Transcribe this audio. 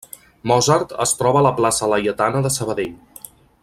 Mozart es troba a la plaça Laietana de Sabadell.